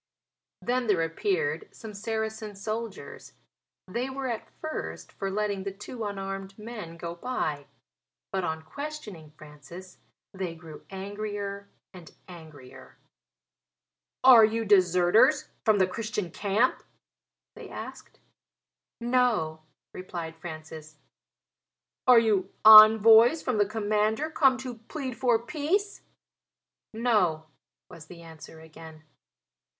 Then there appeared some Saracen soldiers. They were, at first, for letting the two unarmed men go by; but, on questioning Francis, they grew angrier and angrier. "Are you deserters from the Christian camp?" they asked. "No," replied Francis. "Are you envoys from the commander come to plead for peace?" "No," was the answer again.